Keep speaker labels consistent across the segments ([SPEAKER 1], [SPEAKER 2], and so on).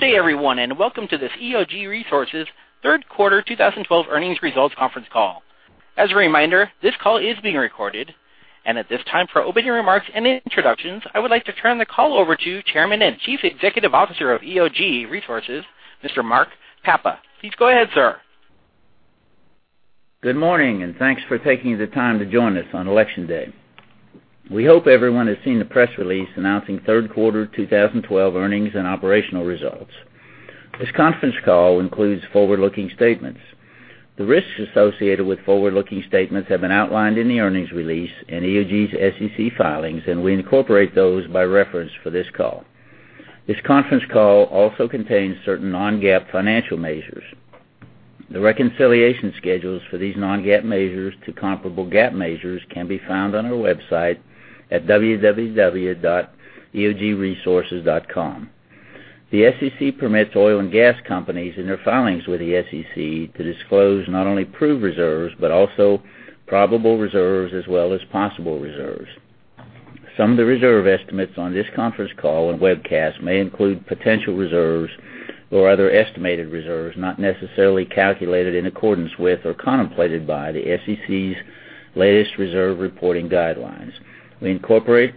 [SPEAKER 1] Good day, everyone, welcome to this EOG Resources third quarter 2012 earnings results conference call. As a reminder, this call is being recorded. At this time, for opening remarks and introductions, I would like to turn the call over to Chairman and Chief Executive Officer of EOG Resources, Mr. Mark Papa. Please go ahead, sir.
[SPEAKER 2] Good morning, thanks for taking the time to join us on election day. We hope everyone has seen the press release announcing third quarter 2012 earnings and operational results. This conference call includes forward-looking statements. The risks associated with forward-looking statements have been outlined in the earnings release in EOG's SEC filings, we incorporate those by reference for this call. This conference call also contains certain non-GAAP financial measures. The reconciliation schedules for these non-GAAP measures to comparable GAAP measures can be found on our website at www.eogresources.com. The SEC permits oil and gas companies in their filings with the SEC to disclose not only proved reserves, but also probable reserves as well as possible reserves. Some of the reserve estimates on this conference call and webcast may include potential reserves or other estimated reserves not necessarily calculated in accordance with or contemplated by the SEC's latest reserve reporting guidelines. We incorporate,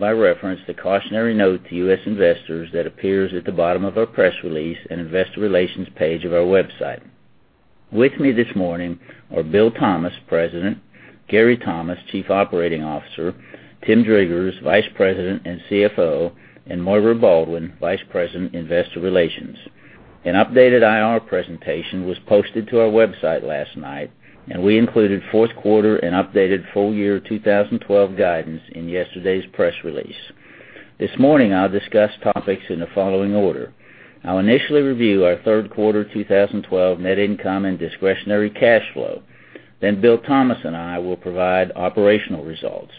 [SPEAKER 2] by reference, the cautionary note to US investors that appears at the bottom of our press release and investor relations page of our website. With me this morning are Bill Thomas, President, Gary Thomas, Chief Operating Officer, Tim Driggers, Vice President and CFO, and Moira Baldwin, Vice President, Investor Relations. An updated IR presentation was posted to our website last night, we included fourth quarter and updated full year 2012 guidance in yesterday's press release. This morning, I'll discuss topics in the following order. I'll initially review our third quarter 2012 net income and discretionary cash flow. Bill Thomas and I will provide operational results.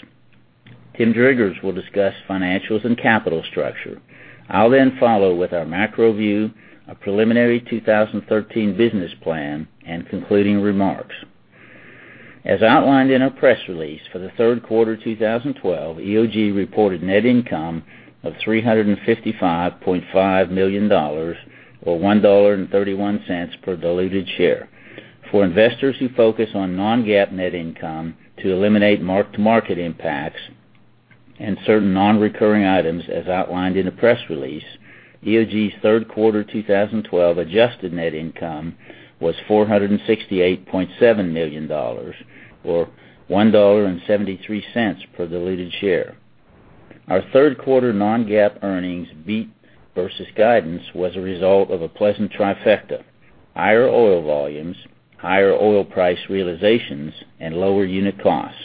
[SPEAKER 2] Tim Driggers will discuss financials and capital structure. I'll follow with our macro view, a preliminary 2013 business plan, and concluding remarks. As outlined in our press release for the third quarter 2012, EOG reported net income of $355.5 million, or $1.31 per diluted share. For investors who focus on non-GAAP net income to eliminate mark-to-market impacts and certain non-recurring items as outlined in the press release, EOG's third quarter 2012 adjusted net income was $468.7 million, or $1.73 per diluted share. Our third quarter non-GAAP earnings beat versus guidance was a result of a pleasant trifecta: higher oil volumes, higher oil price realizations, and lower unit costs.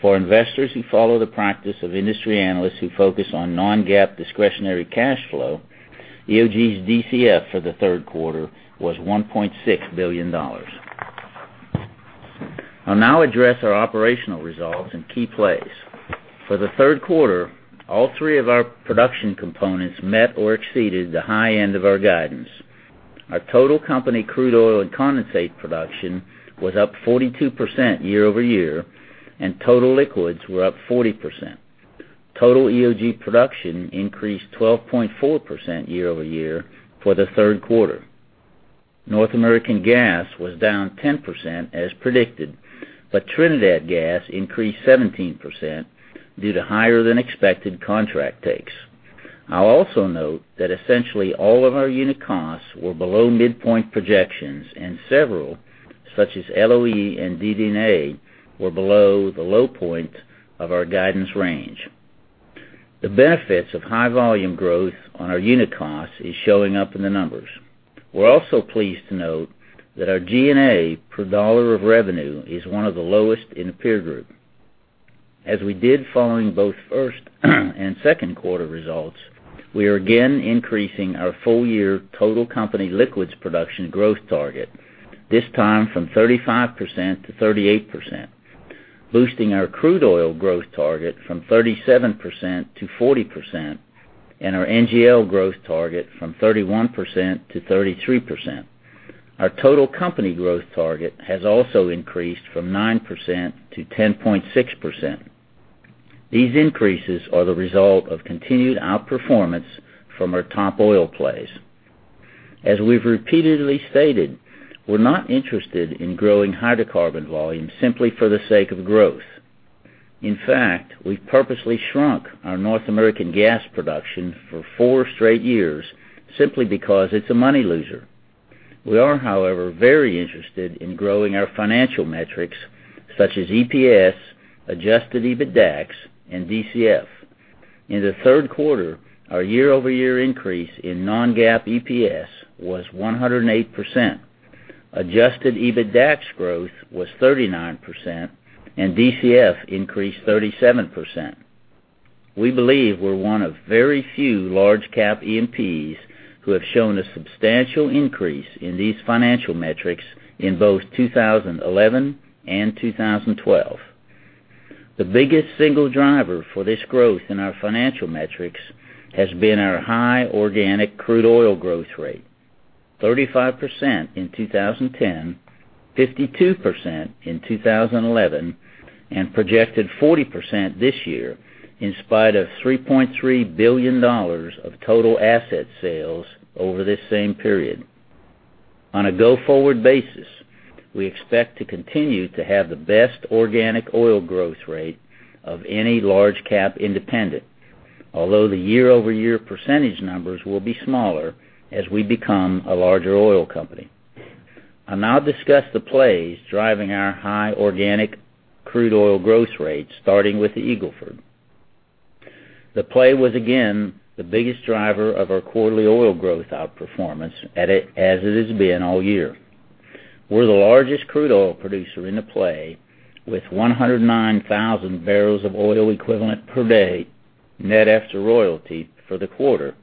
[SPEAKER 2] For investors who follow the practice of industry analysts who focus on non-GAAP discretionary cash flow, EOG's DCF for the third quarter was $1.6 billion. I'll now address our operational results in key plays. For the third quarter, all three of our production components met or exceeded the high end of our guidance. Our total company crude oil and condensate production was up 42% year-over-year, and total liquids were up 40%. Total EOG production increased 12.4% year-over-year for the third quarter. North American gas was down 10% as predicted, but Trinidad gas increased 17% due to higher than expected contract takes. I'll also note that essentially all of our unit costs were below midpoint projections, and several, such as LOE and DD&A, were below the low point of our guidance range. The benefits of high volume growth on our unit cost is showing up in the numbers. We're also pleased to note that our G&A per dollar of revenue is one of the lowest in the peer group. As we did following both first and second quarter results, we are again increasing our full year total company liquids production growth target, this time from 35% to 38%, boosting our crude oil growth target from 37% to 40%, and our NGL growth target from 31% to 33%. Our total company growth target has also increased from 9% to 10.6%. These increases are the result of continued outperformance from our top oil plays. As we've repeatedly stated, we're not interested in growing hydrocarbon volume simply for the sake of growth. In fact, we've purposely shrunk our North American gas production for four straight years simply because it's a money loser. We are, however, very interested in growing our financial metrics such as EPS, adjusted EBITDAX, and DCF. In the third quarter, our year-over-year increase in non-GAAP EPS was 108%. Adjusted EBITDAX growth was 39%, and DCF increased 37%. We believe we're one of very few large-cap E&Ps who have shown a substantial increase in these financial metrics in both 2011 and 2012. The biggest single driver for this growth in our financial metrics has been our high organic crude oil growth rate. 35% in 2010, 52% in 2011, and projected 40% this year in spite of $3.3 billion of total asset sales over this same period. On a go-forward basis, we expect to continue to have the best organic oil growth rate of any large-cap independent. Although the year-over-year percentage numbers will be smaller as we become a larger oil company. I'll now discuss the plays driving our high organic crude oil growth rates, starting with the Eagle Ford. The play was again the biggest driver of our quarterly oil growth outperformance, as it has been all year. We're the largest crude oil producer in the play, with 109,000 barrels of oil equivalent per day net after royalty for the quarter,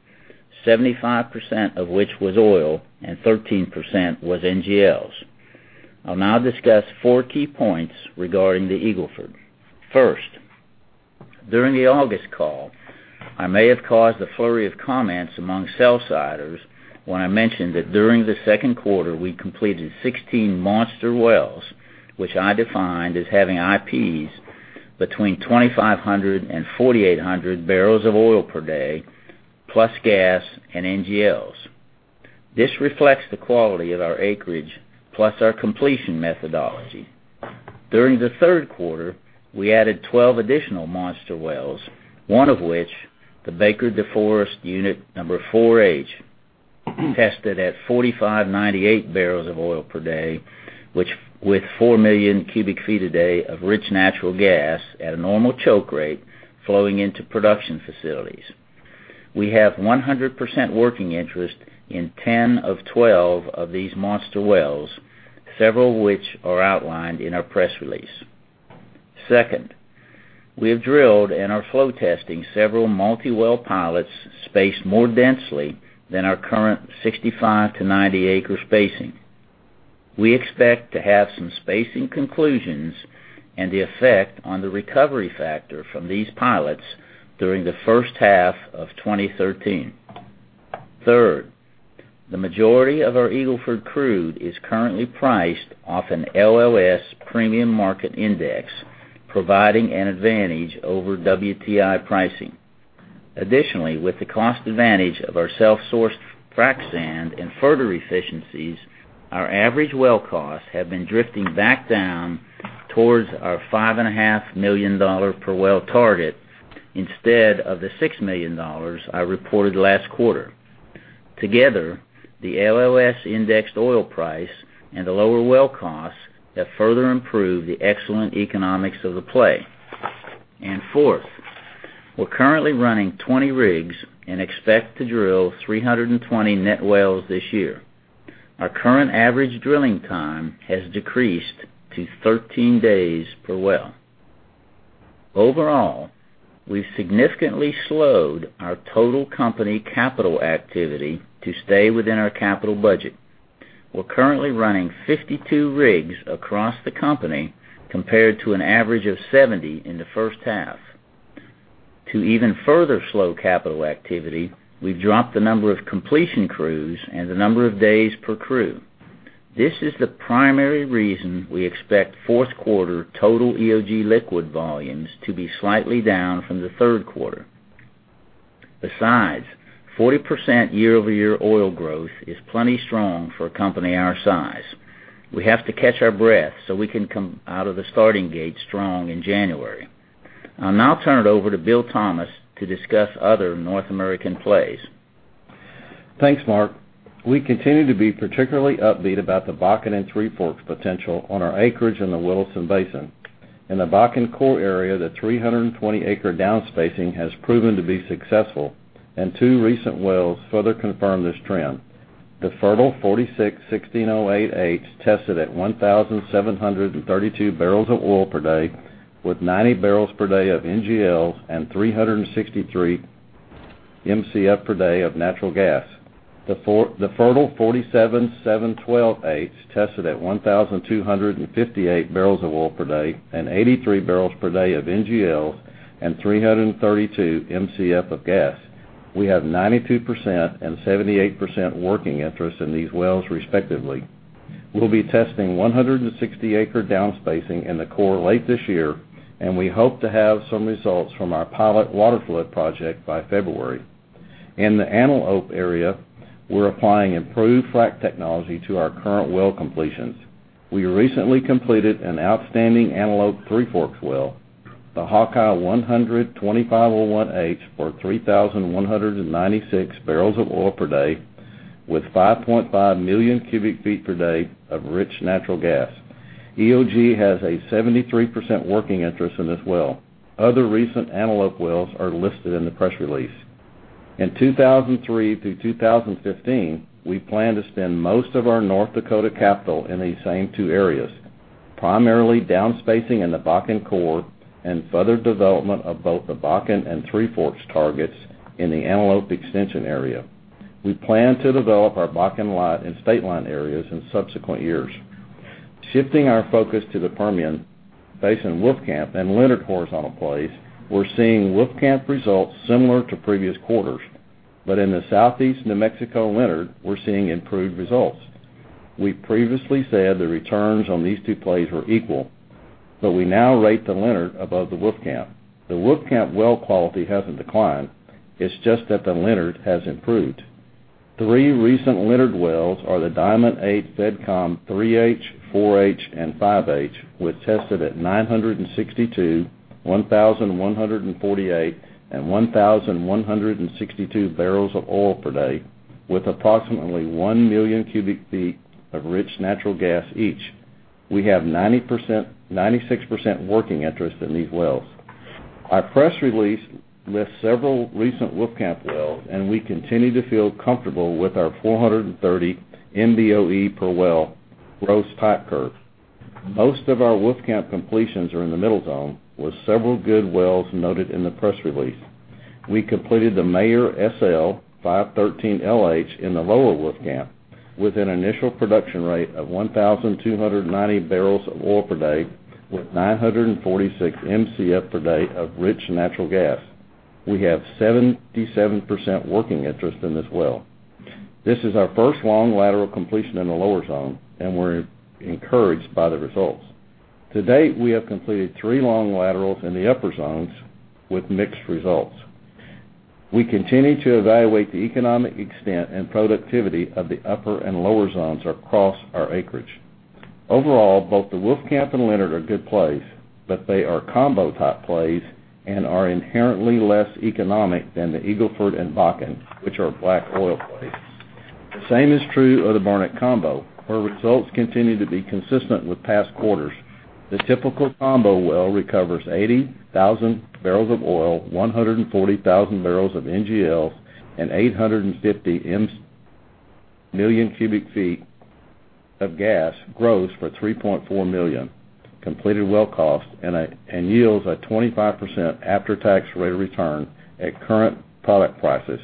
[SPEAKER 2] 75% of which was oil and 13% was NGLs. I'll now discuss four key points regarding the Eagle Ford. First, during the August call, I may have caused a flurry of comments among sell-siders when I mentioned that during the second quarter, we completed 16 monster wells, which I defined as having IPs between 2,500 and 4,800 barrels of oil per day, plus gas and NGLs. This reflects the quality of our acreage plus our completion methodology. During the third quarter, we added 12 additional monster wells, one of which, the Baker DeForest Unit Number 4H, tested at 4,598 barrels of oil per day, with four million cubic feet a day of rich natural gas at a normal choke rate flowing into production facilities. We have 100% working interest in 10 of 12 of these monster wells, several which are outlined in our press release. Second, we have drilled and are flow testing several multi-well pilots spaced more densely than our current 65-90-acre spacing. We expect to have some spacing conclusions and the effect on the recovery factor from these pilots during the first half of 2013. Third, the majority of our Eagle Ford crude is currently priced off an LLS premium market index, providing an advantage over WTI pricing. Additionally, with the cost advantage of our self-sourced frac sand and further efficiencies, our average well costs have been drifting back down towards our $5.5 million per well target instead of the $6 million I reported last quarter. Together, the LLS-indexed oil price and the lower well costs have further improved the excellent economics of the play. Fourth, we're currently running 20 rigs and expect to drill 320 net wells this year. Our current average drilling time has decreased to 13 days per well. Overall, we've significantly slowed our total company capital activity to stay within our capital budget. We're currently running 52 rigs across the company, compared to an average of 70 in the first half. To even further slow capital activity, we've dropped the number of completion crews and the number of days per crew. This is the primary reason we expect fourth quarter total EOG liquid volumes to be slightly down from the third quarter. 40% year-over-year oil growth is plenty strong for a company our size. We have to catch our breath so we can come out of the starting gate strong in January. I'll now turn it over to Bill Thomas to discuss other North American plays.
[SPEAKER 3] Thanks, Mark. We continue to be particularly upbeat about the Bakken and Three Forks potential on our acreage in the Williston Basin. In the Bakken core area, the 320-acre downspacing has proven to be successful, and two recent wells further confirm this trend. The Fertile 46-1608H tested at 1,732 barrels of oil per day, with 90 barrels per day of NGL and 363 MCF per day of natural gas. The Fertile 47-712H tested at 1,258 barrels of oil per day and 83 barrels per day of NGL and 332 MCF of gas. We have 92% and 78% working interest in these wells respectively. We'll be testing 160-acre downspacing in the core late this year, and we hope to have some results from our pilot water flood project by February. In the Antelope area, we're applying improved frack technology to our current well completions. We recently completed an outstanding Antelope Three Forks well, the Hawkeye 10-02501H, for 3,196 barrels of oil per day, with 5.5 million cubic feet per day of rich natural gas. EOG has a 73% working interest in this well. Other recent Antelope wells are listed in the press release. In 2003 through 2015, we plan to spend most of our North Dakota capital in these same two areas, primarily downspacing in the Bakken core and further development of both the Bakken and Three Forks targets in the Antelope extension area. We plan to develop our Bakken and Stateline areas in subsequent years. Shifting our focus to the Permian Basin Wolfcamp and Leonard horizontal plays, we're seeing Wolfcamp results similar to previous quarters. In the Southeast New Mexico Leonard, we're seeing improved results. We previously said the returns on these two plays were equal. We now rate the Leonard above the Wolfcamp. The Wolfcamp well quality hasn't declined. It's just that the Leonard has improved. Three recent Leonard wells are the Diamond 8 Fed Com 3H, 4H, and 5H, which tested at 962, 1,148, and 1,162 barrels of oil per day, with approximately 1 million cubic feet of rich natural gas each. We have 96% working interest in these wells. Our press release lists several recent Wolfcamp wells, and we continue to feel comfortable with our 430 MBOE per well gross type curve. Most of our Wolfcamp completions are in the middle zone, with several good wells noted in the press release. We completed the Mayer SL #5013LH in the lower Wolfcamp with an initial production rate of 1,290 barrels of oil per day, with 946 MCF per day of rich natural gas. We have 77% working interest in this well. This is our first long lateral completion in the lower zone, and we're encouraged by the results. To date, we have completed three long laterals in the upper zones with mixed results. We continue to evaluate the economic extent and productivity of the upper and lower zones across our acreage. Overall, both the Wolfcamp and Leonard are good plays. They are combo-type plays and are inherently less economic than the Eagle Ford and Bakken, which are black oil plays. The same is true of the Barnett combo, where results continue to be consistent with past quarters. The typical combo well recovers 80,000 barrels of oil, 140,000 barrels of NGLs, and 850 million cubic feet of gas gross for $3.4 million completed well cost and yields a 25% after-tax rate of return at current product prices.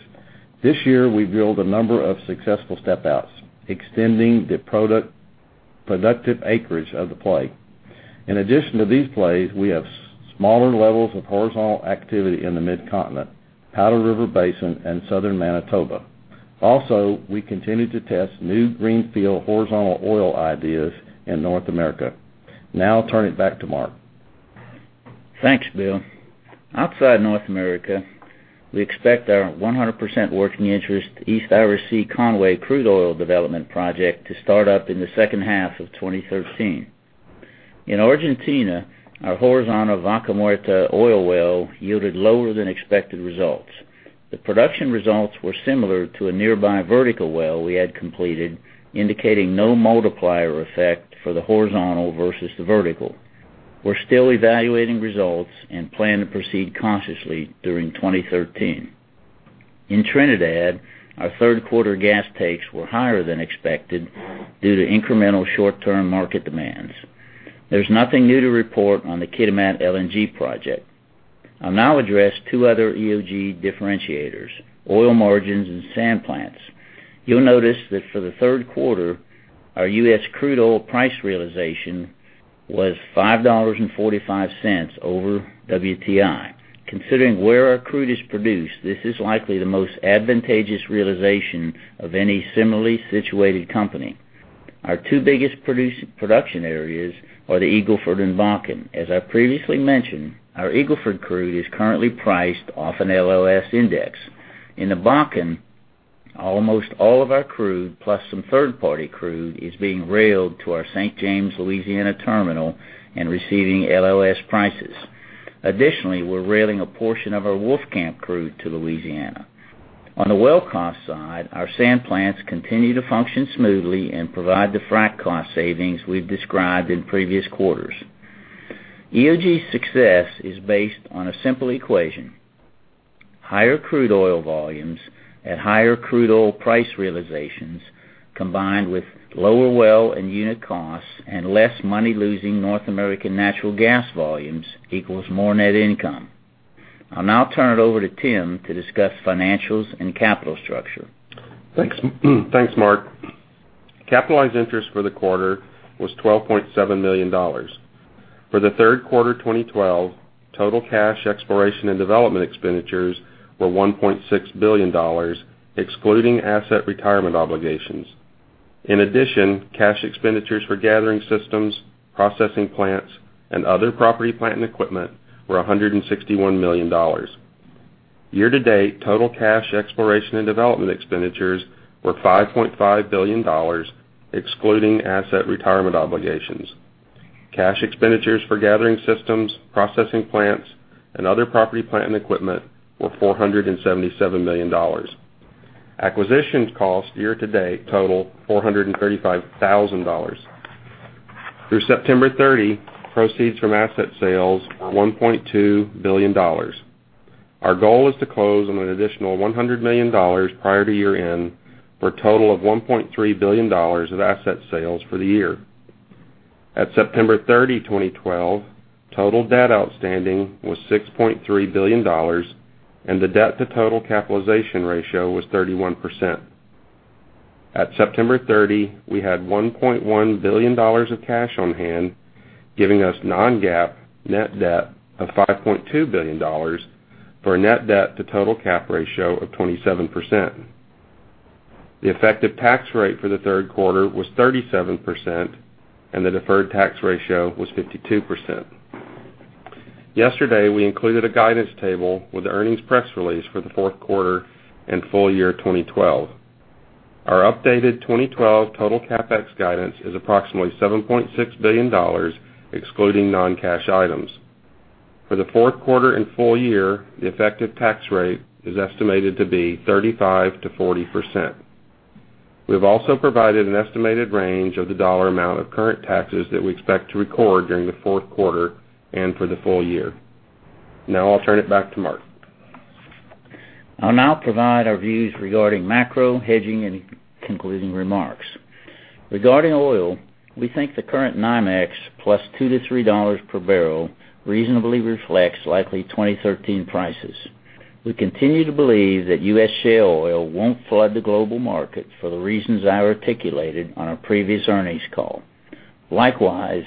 [SPEAKER 3] This year, we've drilled a number of successful step-outs, extending the productive acreage of the play. In addition to these plays, we have smaller levels of horizontal activity in the Mid-Continent, Powder River Basin, and southern Manitoba. We continue to test new greenfield horizontal oil ideas in North America. Now I'll turn it back to Mark.
[SPEAKER 2] Thanks, Bill. Outside North America, we expect our 100% working interest East Irish Sea Conwy crude oil development project to start up in the second half of 2013. In Argentina, our horizontal Vaca Muerta oil well yielded lower than expected results. The production results were similar to a nearby vertical well we had completed, indicating no multiplier effect for the horizontal versus the vertical. There's nothing new to report on the Kitimat LNG project. I'll now address two other EOG differentiators, oil margins and sand plants. You'll notice that for the third quarter, our U.S. crude oil price realization was $5.45 over WTI. Considering where our crude is produced, this is likely the most advantageous realization of any similarly situated company. Our two biggest production areas are the Eagle Ford and Bakken. As I previously mentioned, our Eagle Ford crude is currently priced off an LLS index. In the Bakken, almost all of our crude, plus some third-party crude, is being railed to our St. James, Louisiana terminal and receiving LLS prices. Additionally, we're railing a portion of our Wolfcamp crude to Louisiana. On the well cost side, our sand plants continue to function smoothly and provide the frac cost savings we've described in previous quarters. EOG's success is based on a simple equation. Higher crude oil volumes at higher crude oil price realizations, combined with lower well and unit costs and less money losing North American natural gas volumes, equals more net income. I'll now turn it over to Tim to discuss financials and capital structure.
[SPEAKER 4] Thanks, Mark. Capitalized interest for the quarter was $12.7 million. For the third quarter 2012, total cash exploration and development expenditures were $1.6 billion, excluding asset retirement obligations. In addition, cash expenditures for gathering systems, processing plants, and other property, plant, and equipment were $161 million. Year-to-date, total cash exploration and development expenditures were $5.5 billion, excluding asset retirement obligations. Cash expenditures for gathering systems, processing plants, and other property, plant, and equipment were $477 million. Acquisitions cost year-to-date total $435,000. Through September 30, proceeds from asset sales are $1.2 billion. Our goal is to close on an additional $100 million prior to year-end for a total of $1.3 billion of asset sales for the year. At September 30, 2012, total debt outstanding was $6.3 billion. The debt to total capitalization ratio was 31%. At September 30, we had $1.1 billion of cash on hand, giving us non-GAAP net debt of $5.2 billion for net debt to total cap ratio of 27%. The effective tax rate for the third quarter was 37%, and the deferred tax ratio was 52%. Yesterday, we included a guidance table with the earnings press release for the fourth quarter and full year 2012. Our updated 2012 total CapEx guidance is approximately $7.6 billion, excluding non-cash items. For the fourth quarter and full year, the effective tax rate is estimated to be 35%-40%. We have also provided an estimated range of the dollar amount of current taxes that we expect to record during the fourth quarter and for the full year. I'll turn it back to Mark.
[SPEAKER 2] I'll now provide our views regarding macro hedging and concluding remarks. Regarding oil, we think the current NYMEX plus two to three dollars per barrel reasonably reflects likely 2013 prices. We continue to believe that U.S. shale oil won't flood the global market for the reasons I articulated on our previous earnings call. Likewise,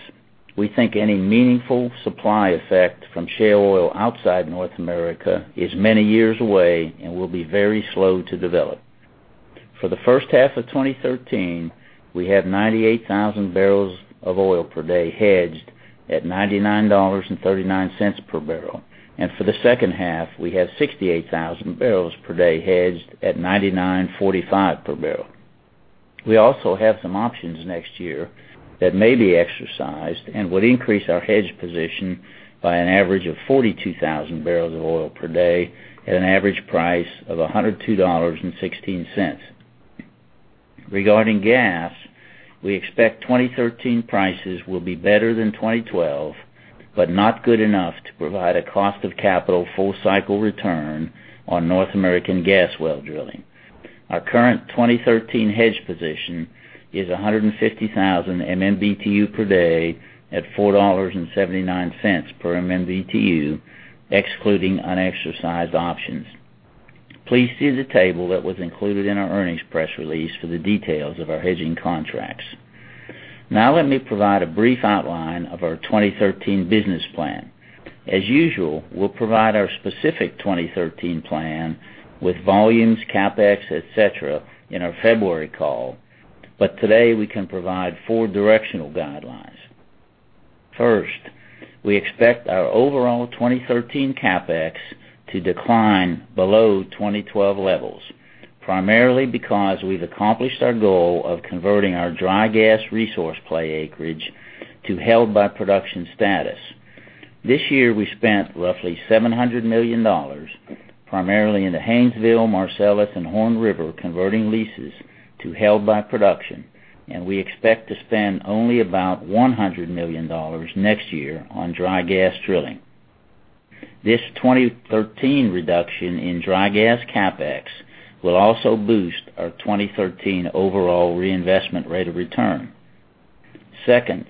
[SPEAKER 2] we think any meaningful supply effect from shale oil outside North America is many years away and will be very slow to develop. For the first half of 2013, we have 98,000 barrels of oil per day hedged at $99.39 per barrel, and for the second half, we have 68,000 barrels per day hedged at $99.45 per barrel. We also have some options next year that may be exercised and would increase our hedge position by an average of 42,000 barrels of oil per day at an average price of $102.16. Regarding gas, we expect 2013 prices will be better than 2012, but not good enough to provide a cost of capital full cycle return on North American gas well drilling. Our current 2013 hedge position is 150,000 MMBtu per day at $4.79 per MMBtu, excluding unexercised options. Please see the table that was included in our earnings press release for the details of our hedging contracts. Let me provide a brief outline of our 2013 business plan. As usual, we'll provide our specific 2013 plan with volumes, CapEx, et cetera in our February call. Today we can provide four directional guidelines. First, we expect our overall 2013 CapEx to decline below 2012 levels, primarily because we've accomplished our goal of converting our dry gas resource play acreage to held by production status. This year we spent roughly $700 million, primarily in the Haynesville, Marcellus, and Horn River, converting leases to held by production, and we expect to spend only about $100 million next year on dry gas drilling. This 2013 reduction in dry gas CapEx will also boost our 2013 overall reinvestment rate of return. Second,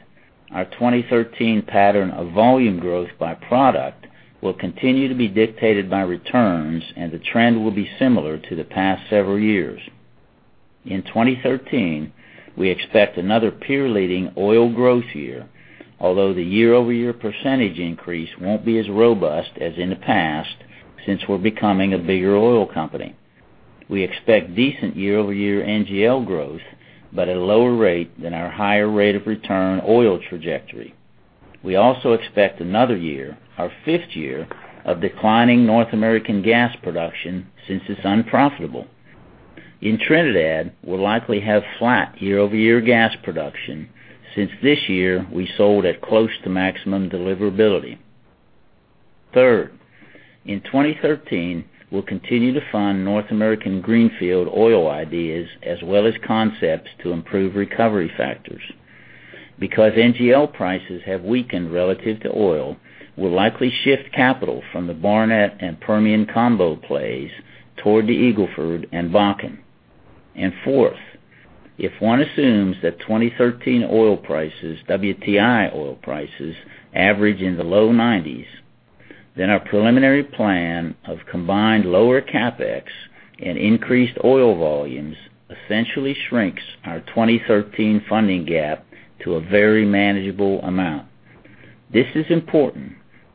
[SPEAKER 2] our 2013 pattern of volume growth by product will continue to be dictated by returns, and the trend will be similar to the past several years. In 2013, we expect another peer-leading oil growth year, although the year-over-year percentage increase won't be as robust as in the past since we're becoming a bigger oil company. We expect decent year-over-year NGL growth, but at a lower rate than our higher rate of return oil trajectory. We also expect another year, our fifth year, of declining North American gas production since it's unprofitable. In Trinidad, we'll likely have flat year-over-year gas production since this year we sold at close to maximum deliverability. Third, in 2013, we'll continue to fund North American greenfield oil ideas as well as concepts to improve recovery factors. Because NGL prices have weakened relative to oil, we'll likely shift capital from the Barnett and Permian combo plays toward the Eagle Ford and Bakken. Fourth, if one assumes that 2013 oil prices, WTI oil prices, average in the low nineties, then our preliminary plan of combined lower CapEx and increased oil volumes essentially shrinks our 2013 funding gap to a very manageable amount. This is important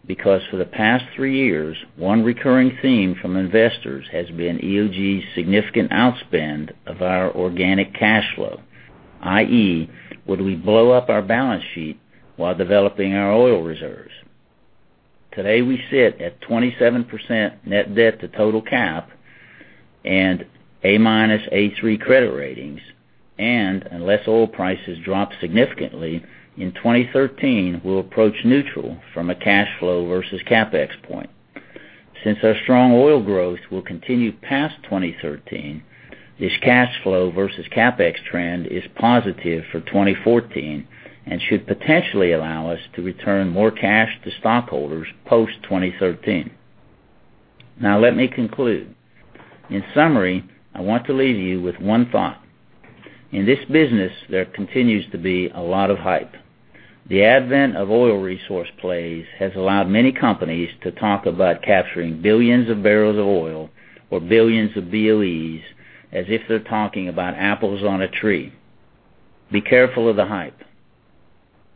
[SPEAKER 2] because for the past three years, one recurring theme from investors has been EOG's significant outspend of our organic cash flow, i.e., would we blow up our balance sheet while developing our oil reserves? Today we sit at 27% net debt to total cap and A-minus A3 credit ratings. Unless oil prices drop significantly, in 2013 we'll approach neutral from a cash flow versus CapEx point. Since our strong oil growth will continue past 2013, this cash flow versus CapEx trend is positive for 2014 and should potentially allow us to return more cash to stockholders post-2013. Let me conclude. In summary, I want to leave you with one thought. In this business, there continues to be a lot of hype. The advent of oil resource plays has allowed many companies to talk about capturing billions of barrels of oil or billions of BOEs as if they're talking about apples on a tree. Be careful of the hype.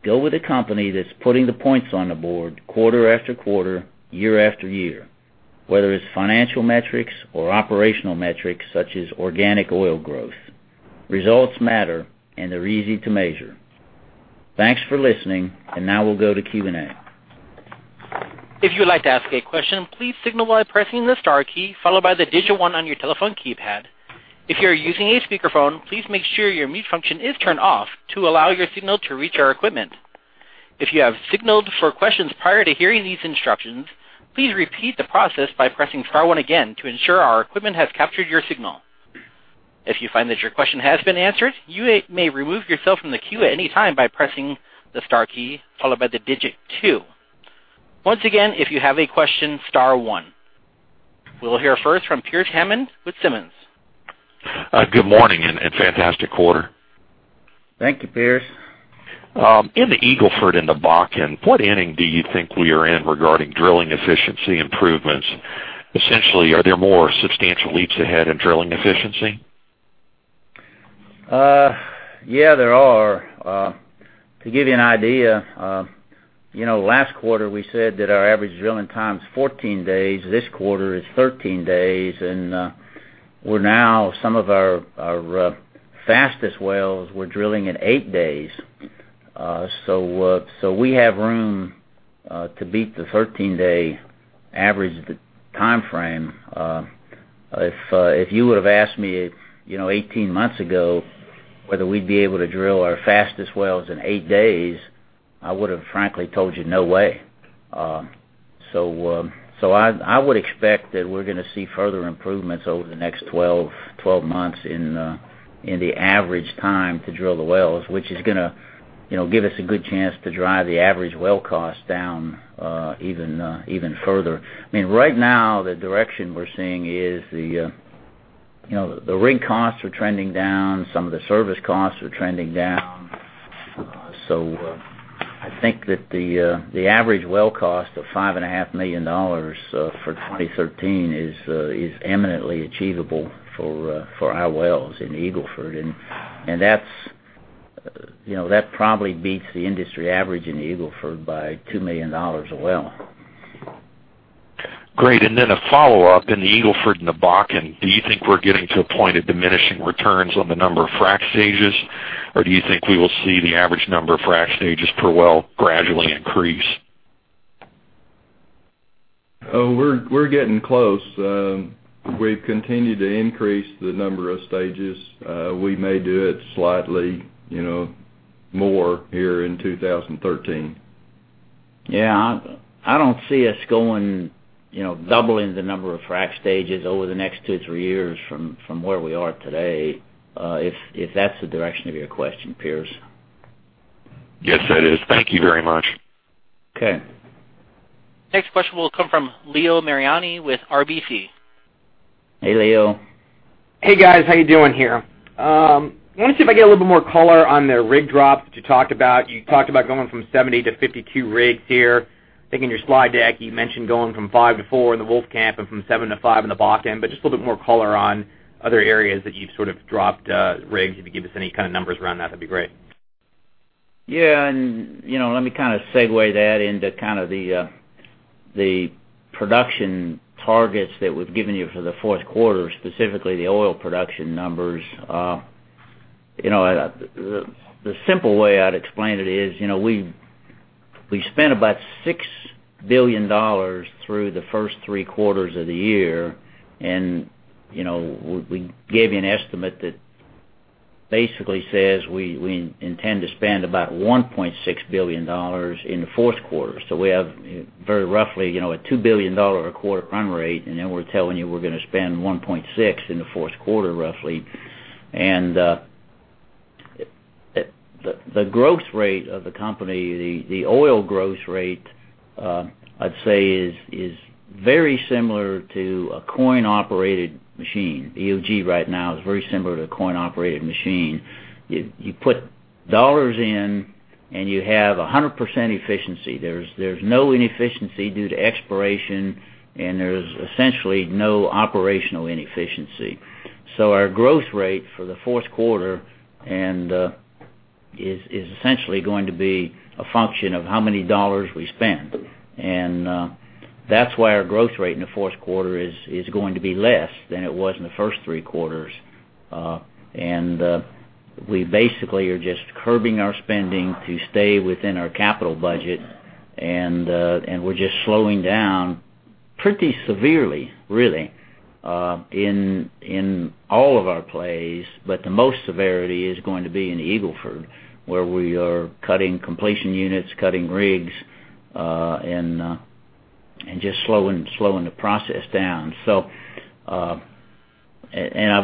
[SPEAKER 2] Go with a company that's putting the points on the board quarter after quarter, year after year, whether it's financial metrics or operational metrics such as organic oil growth. Results matter, and they're easy to measure. Thanks for listening. Now we'll go to Q&A.
[SPEAKER 1] If you would like to ask a question, please signal by pressing the star key, followed by the digit 1 on your telephone keypad. If you are using a speakerphone, please make sure your mute function is turned off to allow your signal to reach our equipment. If you have signaled for questions prior to hearing these instructions, please repeat the process by pressing star 1 again to ensure our equipment has captured your signal. If you find that your question has been answered, you may remove yourself from the queue at any time by pressing the star key followed by the digit 2. Once again, if you have a question, star 1. We'll hear first from Pearce Hammond with Simmons.
[SPEAKER 5] Good morning. Fantastic quarter.
[SPEAKER 2] Thank you, Pearce.
[SPEAKER 5] In the Eagle Ford and the Bakken, what inning do you think we are in regarding drilling efficiency improvements? Are there more substantial leaps ahead in drilling efficiency?
[SPEAKER 2] Yeah, there are. To give you an idea, last quarter we said that our average drilling time is 14 days. This quarter is 13 days, and some of our fastest wells we're drilling in eight days. We have room to beat the 13-day average, the time frame. If you would've asked me 18 months ago whether we'd be able to drill our fastest wells in eight days, I would've frankly told you no way. I would expect that we're going to see further improvements over the next 12 months in the average time to drill the wells, which is going to give us a good chance to drive the average well cost down even further. Right now, the direction we're seeing is the rig costs are trending down, some of the service costs are trending down. I think that the average well cost of $5.5 million for 2013 is eminently achievable for our wells in Eagle Ford. That probably beats the industry average in Eagle Ford by $2 million a well.
[SPEAKER 5] Great. A follow-up, in the Eagle Ford and the Bakken, do you think we're getting to a point of diminishing returns on the number of frac stages, or do you think we will see the average number of frac stages per well gradually increase?
[SPEAKER 6] We're getting close. We've continued to increase the number of stages. We may do it slightly more here in 2013.
[SPEAKER 2] Yeah. I don't see us doubling the number of frac stages over the next two, three years from where we are today. If that's the direction of your question, Pearce.
[SPEAKER 5] Yes, that is. Thank you very much.
[SPEAKER 2] Okay.
[SPEAKER 1] Next question will come from Leo Mariani with RBC.
[SPEAKER 2] Hey, Leo.
[SPEAKER 7] Hey, guys. How you doing here? I want to see if I can get a little bit more color on the rig drop that you talked about. You talked about going from 70 to 52 rigs here. I think in your slide deck, you mentioned going from five to four in the Wolfcamp and from seven to five in the Bakken. Just a little bit more color on other areas that you've sort of dropped rigs. If you give us any kind of numbers around that'd be great.
[SPEAKER 2] Yeah. Let me kind of segue that into the production targets that we've given you for the fourth quarter, specifically the oil production numbers. The simple way I'd explain it is, we spent about $6 billion through the first three quarters of the year. We gave you an estimate that basically says we intend to spend about $1.6 billion in the fourth quarter. We have very roughly a $2 billion a quarter run rate. We're telling you we're going to spend $1.6 in the fourth quarter roughly. The growth rate of the company, the oil growth rate, I'd say, is very similar to a coin-operated machine. EOG right now is very similar to a coin-operated machine. You put dollars in. You have 100% efficiency. There's no inefficiency due to exploration. There's essentially no operational inefficiency. Our growth rate for the fourth quarter is essentially going to be a function of how many dollars we spend. That's why our growth rate in the fourth quarter is going to be less than it was in the first three quarters. We basically are just curbing our spending to stay within our capital budget. We're just slowing down pretty severely, really, in all of our plays. The most severity is going to be in Eagle Ford, where we are cutting completion units, cutting rigs, and just slowing the process down. I've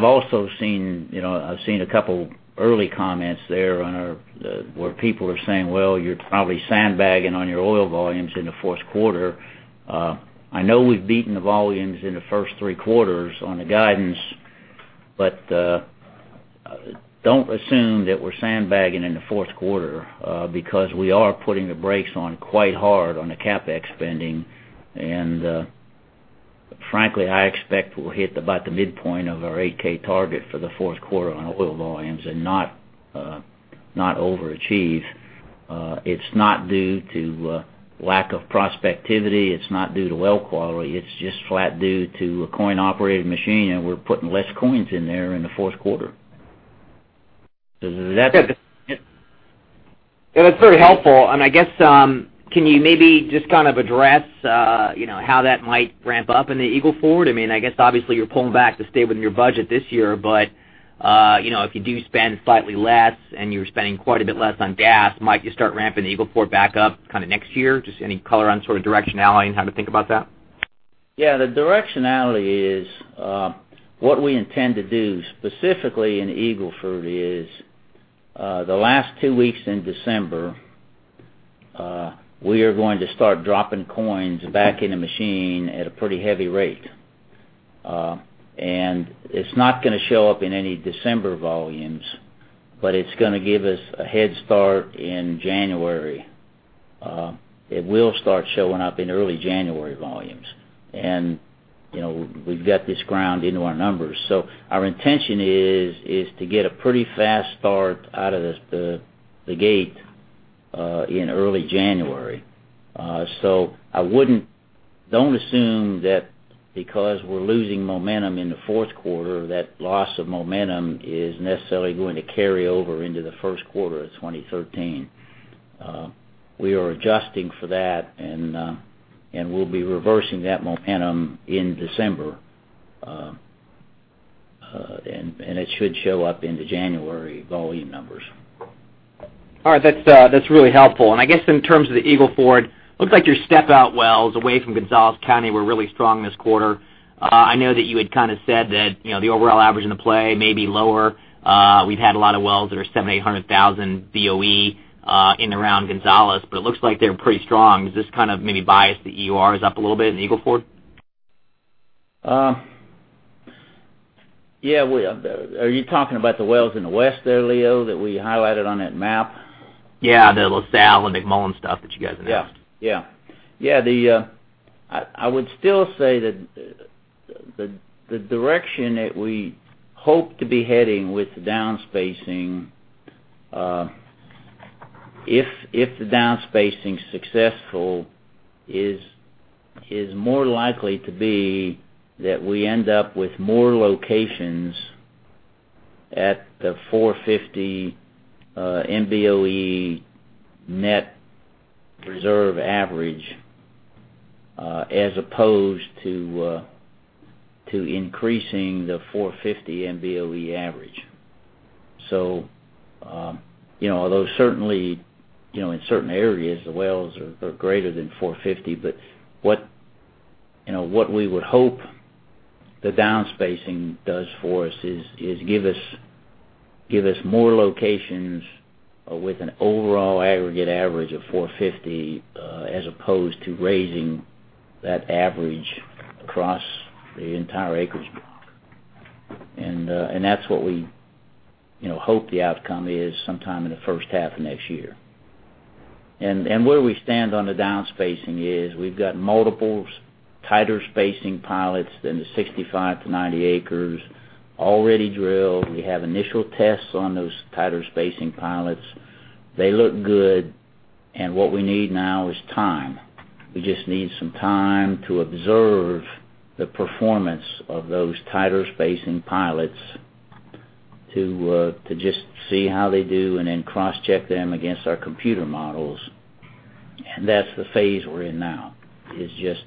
[SPEAKER 2] also seen a couple early comments there where people are saying, "Well, you're probably sandbagging on your oil volumes in the fourth quarter." I know we've beaten the volumes in the first three quarters on the guidance, Don't assume that we're sandbagging in the fourth quarter, because we are putting the brakes on quite hard on the CapEx spending. Frankly, I expect we'll hit about the midpoint of our 8-K target for the fourth quarter on oil volumes and not overachieve. It's not due to lack of prospectivity. It's not due to well quality. It's just flat due to a coin-operated machine, and we're putting less coins in there in the fourth quarter.
[SPEAKER 7] Yeah. That's very helpful. I guess, can you maybe just address how that might ramp up in the Eagle Ford? I guess obviously you're pulling back to stay within your budget this year. If you do spend slightly less and you're spending quite a bit less on gas, might you start ramping the Eagle Ford back up next year? Just any color on directionality and how to think about that?
[SPEAKER 2] Yeah, the directionality is, what we intend to do specifically in Eagle Ford is, the last two weeks in December, we are gonna start dropping coins back in the machine at a pretty heavy rate. It's not gonna show up in any December volumes, but it's gonna give us a head start in January. It will start showing up in early January volumes. We've got this ground into our numbers. Our intention is to get a pretty fast start out of the gate in early January. Don't assume that because we're losing momentum in the fourth quarter, that loss of momentum is necessarily going to carry over into the first quarter of 2013. We are adjusting for that, and we'll be reversing that momentum in December. It should show up in the January volume numbers.
[SPEAKER 7] All right. That's really helpful. I guess in terms of the Eagle Ford, looks like your step-out wells away from Gonzales County were really strong this quarter. I know that you had said that the overall average in the play may be lower. We've had a lot of wells that are 700,000, 800,000 BOE in around Gonzales. It looks like they're pretty strong. Is this maybe bias the EUR is up a little bit in Eagle Ford?
[SPEAKER 2] Yeah. Are you talking about the wells in the west there, Leo, that we highlighted on that map?
[SPEAKER 7] Yeah. The La Salle and McMullen stuff that you guys announced.
[SPEAKER 2] Yeah. I would still say that the direction that we hope to be heading with the downspacing, if the downspacing's successful, is more likely to be that we end up with more locations at the 450 MBOE net reserve average, as opposed to increasing the 450 MBOE average. Although certainly, in certain areas, the wells are greater than 450, but what we would hope the downspacing does for us is give us more locations with an overall aggregate average of 450, as opposed to raising that average across the entire acreage block. That's what we hope the outcome is sometime in the first half of next year. Where we stand on the downspacing is we've got multiples tighter spacing pilots than the 65-90 acres already drilled. We have initial tests on those tighter spacing pilots. They look good, and what we need now is time. We just need some time to observe the performance of those tighter spacing pilots to just see how they do and then cross-check them against our computer models. That's the phase we're in now, is just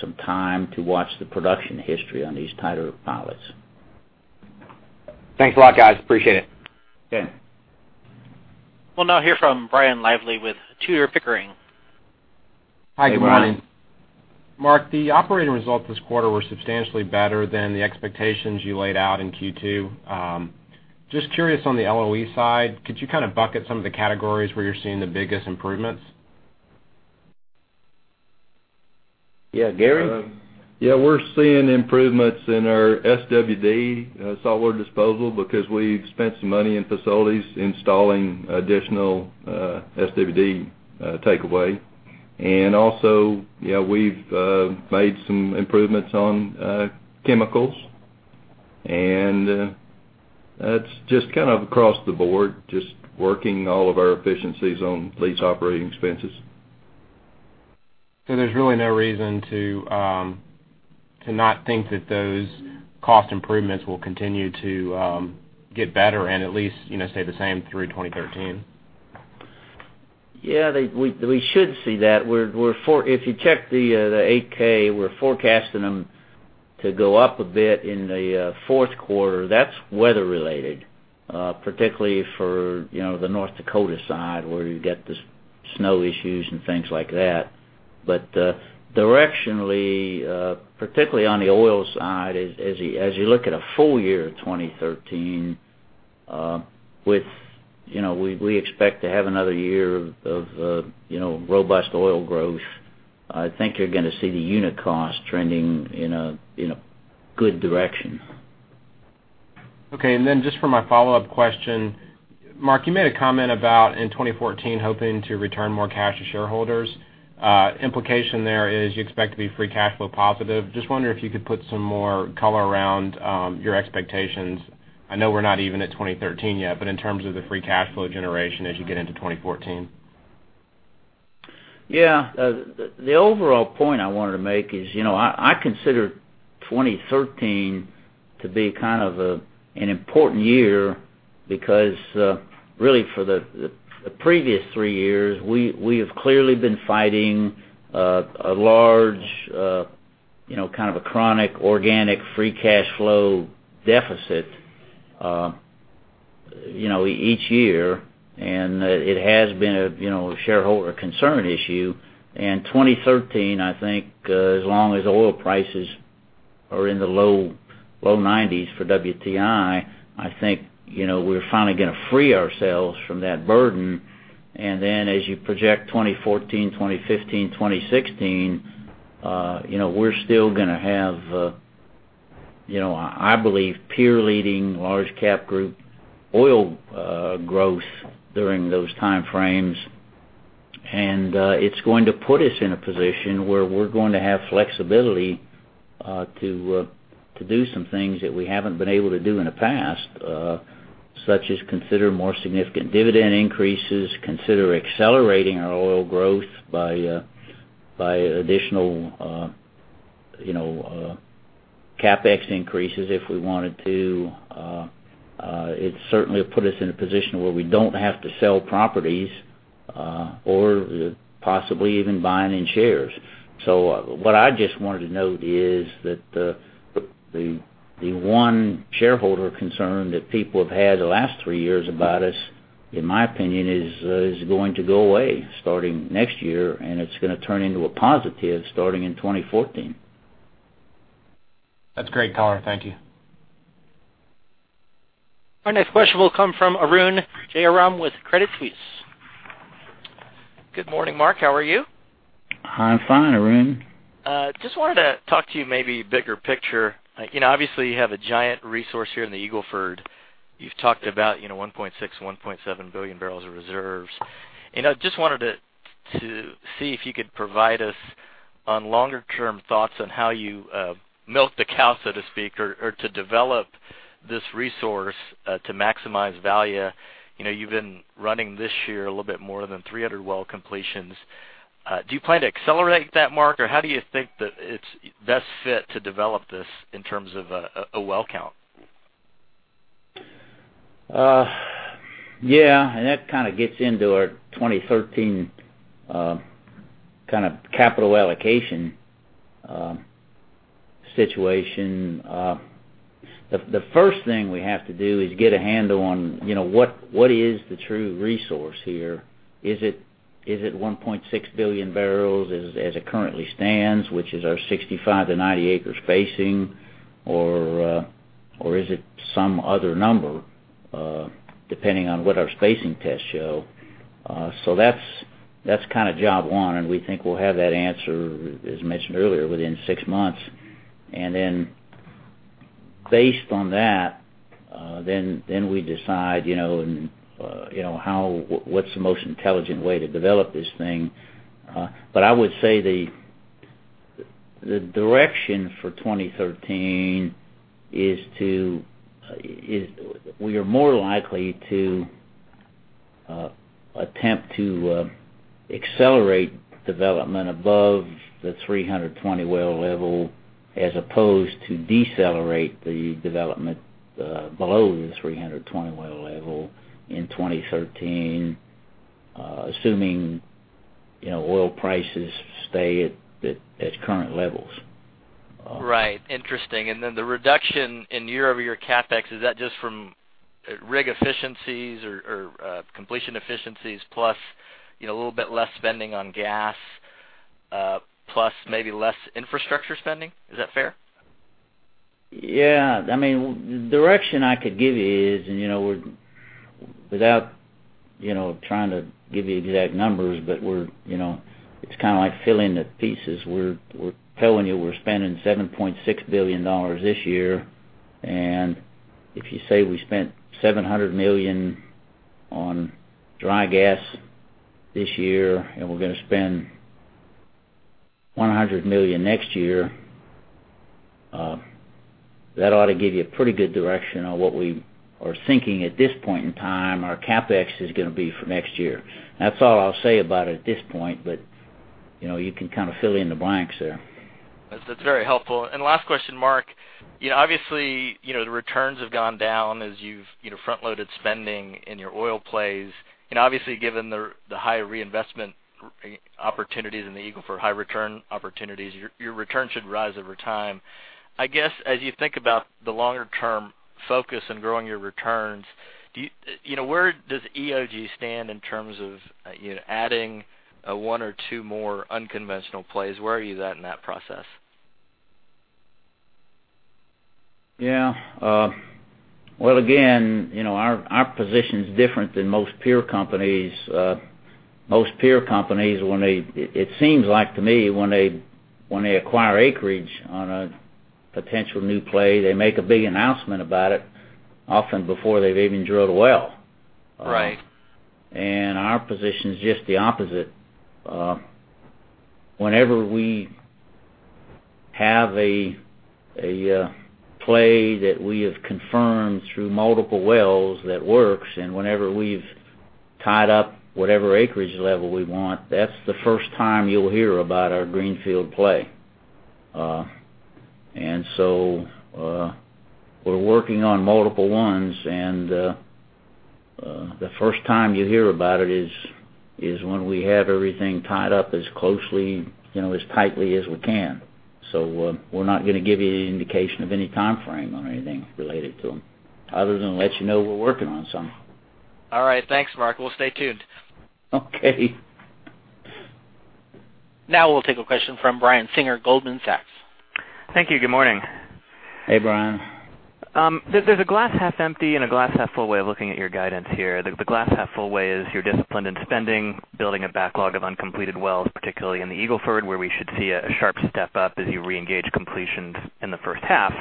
[SPEAKER 2] some time to watch the production history on these tighter pilots.
[SPEAKER 7] Thanks a lot, guys. Appreciate it.
[SPEAKER 2] Okay.
[SPEAKER 1] We'll now hear from Brian Lively with Tudor, Pickering.
[SPEAKER 8] Hi, good morning.
[SPEAKER 2] Good morning.
[SPEAKER 8] Mark, the operating results this quarter were substantially better than the expectations you laid out in Q2. Just curious on the LOE side, could you bucket some of the categories where you're seeing the biggest improvements?
[SPEAKER 2] Yeah, Gary?
[SPEAKER 6] Yeah, we're seeing improvements in our SWD, saltwater disposal, because we've spent some money in facilities installing additional SWD takeaway. Also, we've made some improvements on chemicals, that's just across the board, just working all of our efficiencies on these operating expenses.
[SPEAKER 8] There's really no reason to not think that those cost improvements will continue to get better and at least, stay the same through 2013?
[SPEAKER 2] Yeah. We should see that. If you check the 8-K, we're forecasting them to go up a bit in the fourth quarter. That's weather-related, particularly for the North Dakota side where you've got the snow issues and things like that. Directionally, particularly on the oil side, as you look at a full year of 2013. We expect to have another year of robust oil growth. I think you're going to see the unit cost trending in a good direction.
[SPEAKER 8] Okay. Just for my follow-up question, Mark, you made a comment about, in 2014, hoping to return more cash to shareholders. Implication there is you expect to be free cash flow positive. Just wondering if you could put some more color around your expectations. I know we're not even at 2013 yet, in terms of the free cash flow generation as you get into 2014.
[SPEAKER 2] Yeah. The overall point I wanted to make is, I consider 2013 to be kind of an important year, because really for the previous three years, we have clearly been fighting a large, kind of a chronic organic free cash flow deficit, each year. It has been a shareholder concern issue. 2013, I think, as long as oil prices are in the low 90s for WTI, I think, we're finally going to free ourselves from that burden. As you project 2014, 2015, 2016, we're still going to have, I believe, peer-leading, large cap group oil growth during those time frames. It's going to put us in a position where we're going to have flexibility to do some things that we haven't been able to do in the past, such as consider more significant dividend increases, consider accelerating our oil growth by additional CapEx increases if we wanted to. It certainly will put us in a position where we don't have to sell properties, or possibly even buying in shares. What I just wanted to note is that the one shareholder concern that people have had the last three years about us, in my opinion, is going to go away starting next year, and it's going to turn into a positive starting in 2014.
[SPEAKER 8] That's great color. Thank you.
[SPEAKER 1] Our next question will come from Arun Jayaram with Credit Suisse. Good morning, Mark. How are you?
[SPEAKER 2] I'm fine, Arun.
[SPEAKER 9] Just wanted to talk to you maybe bigger picture. Obviously, you have a giant resource here in the Eagle Ford. You've talked about, 1.6, 1.7 billion barrels of reserves. I just wanted to see if you could provide us on longer term thoughts on how you milk the cow, so to speak, or to develop this resource to maximize value. You've been running this year a little bit more than 300 well completions. Do you plan to accelerate that, Mark, or how do you think that it's best fit to develop this in terms of a well count?
[SPEAKER 2] Yeah. That kind of gets into our 2013 capital allocation situation. The first thing we have to do is get a handle on what is the true resource here. Is it 1.6 billion barrels as it currently stands, which is our 65 to 90 acre spacing, or is it some other number, depending on what our spacing tests show? That's job one, and we think we'll have that answer, as mentioned earlier, within six months. Based on that, then we decide what's the most intelligent way to develop this thing. I would say the direction for 2013 is we are more likely to attempt to accelerate development above the 320 well level as opposed to decelerate the development below the 320 well level in 2013, assuming oil prices stay at its current levels.
[SPEAKER 9] Right. Interesting. The reduction in year-over-year CapEx, is that just from rig efficiencies or completion efficiencies plus, a little bit less spending on gas, plus maybe less infrastructure spending? Is that fair?
[SPEAKER 2] Yeah. The direction I could give you is, without trying to give you exact numbers, but it's kind of like filling the pieces. We're telling you we're spending $7.6 billion this year. If you say we spent $700 million on dry gas this year, we're going to spend $100 million next year, that ought to give you a pretty good direction on what we are thinking at this point in time our CapEx is going to be for next year. That's all I'll say about it at this point, but you can kind of fill in the blanks there.
[SPEAKER 9] That's very helpful. Last question, Mark. Obviously, the returns have gone down as you've front-loaded spending in your oil plays. Obviously given the high reinvestment opportunities in the Eagle Ford, high return opportunities, your returns should rise over time. I guess, as you think about the longer term focus in growing your returns, where does EOG stand in terms of adding one or two more unconventional plays? Where are you at in that process?
[SPEAKER 2] Yeah. Well, again, our position is different than most peer companies. Most peer companies, it seems like to me, when they acquire acreage on a potential new play, they make a big announcement about it often before they've even drilled a well.
[SPEAKER 9] Right.
[SPEAKER 2] Our position is just the opposite. Whenever we have a play that we have confirmed through multiple wells that works, and whenever we've tied up whatever acreage level we want, that's the first time you'll hear about our greenfield play. We're working on multiple ones, and the first time you hear about it is when we have everything tied up as closely, as tightly as we can. We're not going to give you any indication of any timeframe on anything related to them, other than let you know we're working on something.
[SPEAKER 9] All right. Thanks, Mark. We'll stay tuned.
[SPEAKER 2] Okay.
[SPEAKER 1] Now we'll take a question from Brian Singer, Goldman Sachs.
[SPEAKER 10] Thank you. Good morning.
[SPEAKER 2] Hey, Brian.
[SPEAKER 10] There's a glass half empty and a glass half full way of looking at your guidance here. The glass half full way is you're disciplined in spending, building a backlog of uncompleted wells, particularly in the Eagle Ford, where we should see a sharp step-up as you reengage completions in the first half.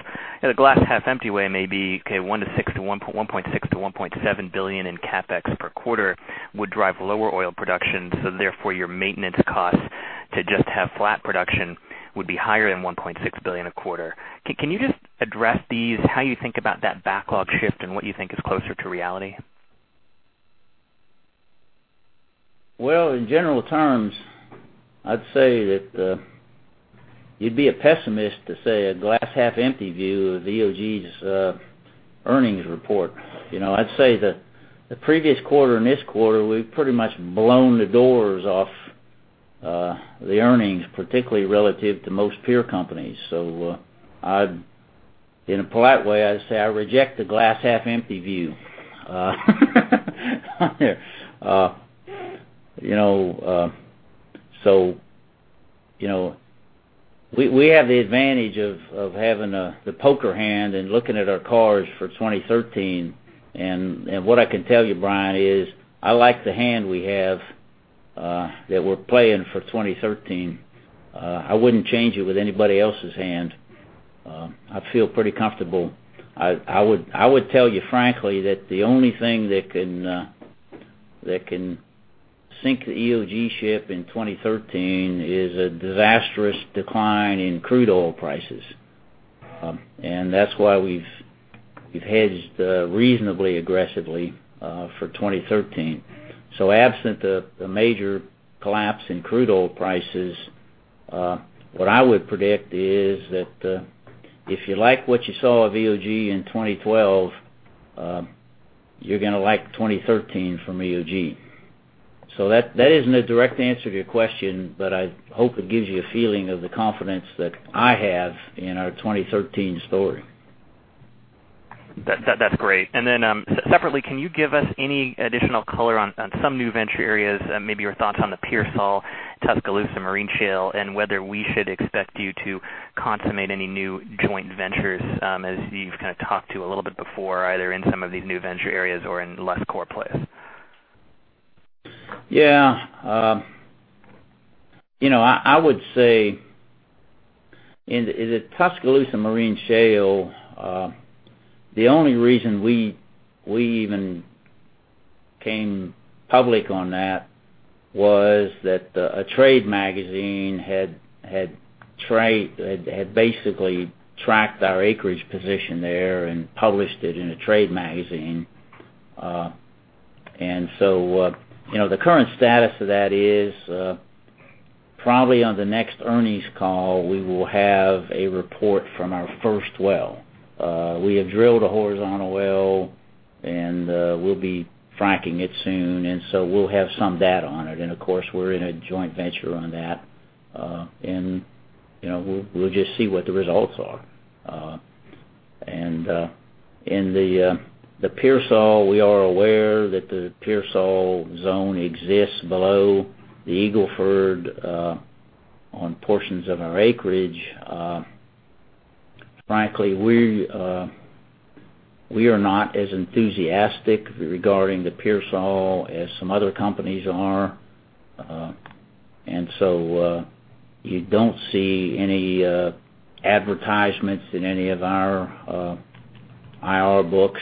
[SPEAKER 10] The glass half empty way may be, okay, $1.6 billion-$1.7 billion in CapEx per quarter would drive lower oil production, therefore your maintenance costs to just have flat production would be higher than $1.6 billion a quarter. Can you just address these, how you think about that backlog shift and what you think is closer to reality?
[SPEAKER 2] Well, in general terms, I'd say that you'd be a pessimist to say a glass half empty view of EOG's earnings report. I'd say that the previous quarter and this quarter, we've pretty much blown the doors off the earnings, particularly relative to most peer companies. In a polite way, I'd say I reject the glass half empty view. We have the advantage of having the poker hand and looking at our cards for 2013, and what I can tell you, Brian, is I like the hand we have that we're playing for 2013. I wouldn't change it with anybody else's hand. I feel pretty comfortable. I would tell you frankly, that the only thing that can sink the EOG ship in 2013 is a disastrous decline in crude oil prices. That's why we've hedged reasonably aggressively for 2013. Absent the major collapse in crude oil prices, what I would predict is that if you like what you saw of EOG in 2012, you're going to like 2013 from EOG. That isn't a direct answer to your question, but I hope it gives you a feeling of the confidence that I have in our 2013 story.
[SPEAKER 10] That's great. Separately, can you give us any additional color on some new venture areas? Maybe your thoughts on the Pearsall, Tuscaloosa Marine Shale, and whether we should expect you to consummate any new joint ventures, as you've kind of talked to a little bit before, either in some of these new venture areas or in less core plays.
[SPEAKER 2] Yeah. I would say in the Tuscaloosa Marine Shale, the only reason we even came public on that was that a trade magazine had basically tracked our acreage position there and published it in a trade magazine. The current status of that is probably on the next earnings call, we will have a report from our first well. We have drilled a horizontal well, and we'll be fracking it soon, so we'll have some data on it. Of course, we're in a joint venture on that. We'll just see what the results are. The Pearsall, we are aware that the Pearsall zone exists below the Eagle Ford on portions of our acreage. Frankly, we are not as enthusiastic regarding the Pearsall as some other companies are. You don't see any advertisements in any of our IR books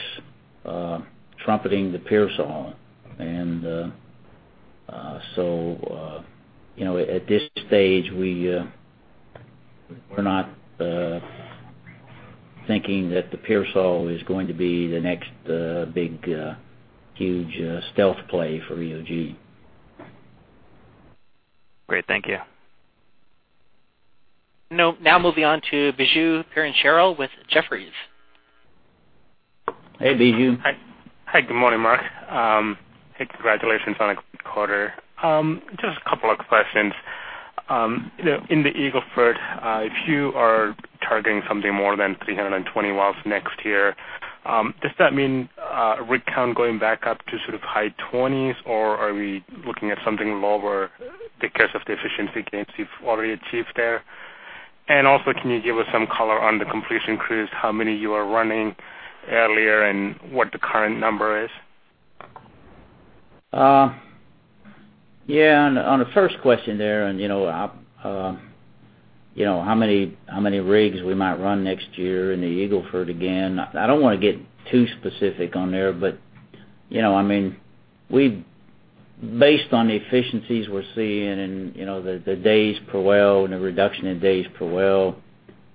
[SPEAKER 2] trumpeting the Pearsall. At this stage, we're not thinking that the Pearsall is going to be the next big, huge stealth play for EOG.
[SPEAKER 10] Great. Thank you.
[SPEAKER 1] Moving on to Biju Perincheril with Jefferies.
[SPEAKER 2] Hey, Biju.
[SPEAKER 11] Hi. Good morning, Mark. Hey, congratulations on a good quarter. Just a couple of questions. In the Eagle Ford, if you are targeting something more than 320 wells next year, does that mean rig count going back up to sort of high 20s? Or are we looking at something lower because of the efficiency gains you've already achieved there? Also, can you give us some color on the completion crews, how many you were running earlier, and what the current number is?
[SPEAKER 2] Yeah. On the first question there, on how many rigs we might run next year in the Eagle Ford again, I don't want to get too specific on there, but based on the efficiencies we're seeing, and the days per well, and the reduction in days per well,